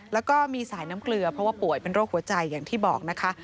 แล้วก็มีสายน้ำเกลือเพราะว่าป่วยเป็นโรคหัวใจอย่างที่บอกนะคะ